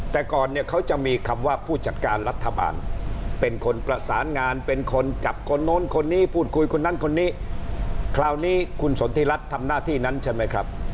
แต่ก่อนเนี่ยเขาจะมีคำว่าผู้จัดการรัฐบาลเป็นคนประสานงานเป็นคนจับคนโน้นคนนี้พูดคุยคนนั้นคนนี้คราวนี้คุณสนทิรัฐทำหน้าที่นั้นใช่ไหมครับ